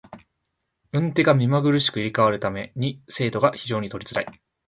運手が目まぐるしく入れ替わる為に精度が非常に取りづらい。